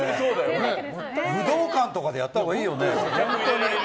武道館とかでやったほうがいいよね。